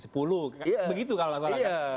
begitu kalau masalahnya